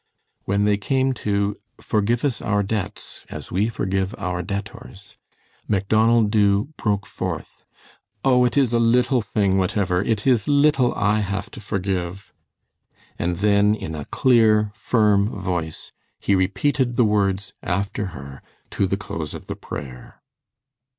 When they came to "Forgive us our debts, as we forgive our debtors," Macdonald Dubh broke forth: "Oh, it is a little thing, whatever! It is little I have to forgive." And then, in a clear, firm voice, he repeated the words after her to the close of the prayer.